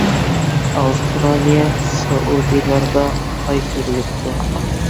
ئاۋسترالىيە، سەئۇدىلاردا ئاي كۆرۈلۈپتۇ.